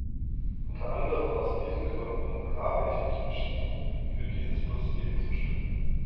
Unter anderem aus diesen Gründen habe ich mich entschieden, für dieses Dossier zu stimmen.